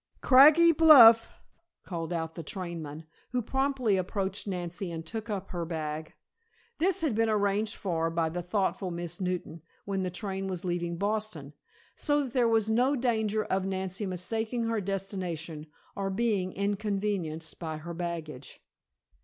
"Craggy Bluff!" called out the trainman, who promptly approached Nancy and took up her bag. This had been arranged for by the thoughtful Miss Newton, when the train was leaving Boston, so that there was no danger of Nancy mistaking her destination, or being inconvenienced by her baggage.